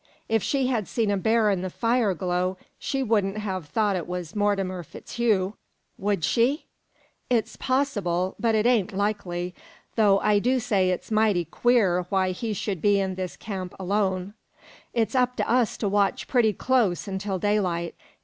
If she had seen a bear in the fire glow she wouldn't have thought it was Mortimer FitzHugh, would she? It's possible, but it ain't likely, though I do say it's mighty queer why he should be in this camp alone. It's up to us to watch pretty close until daylight."